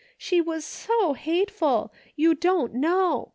She was so hateful ; you don't know.